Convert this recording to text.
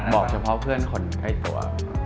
เฉพาะเพื่อนคนใกล้ตัว